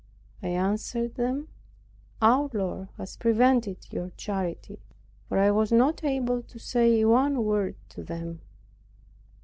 I answered them, "Our Lord has prevented your charity; for I was not able to say one word to them."